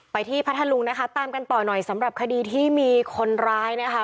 ที่พัทธลุงนะคะตามกันต่อหน่อยสำหรับคดีที่มีคนร้ายนะคะ